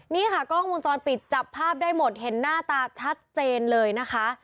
นี่ค่ะกล้องวงจรปิดจับภาพได้หมดเห็นหน้าตาชัดเจนเลยนะคะ